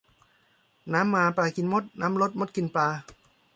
น้ำมาปลากินมดน้ำลดมดกินปลา